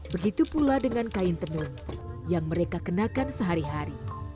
begitu pula dengan kain tenun yang mereka kenakan sehari hari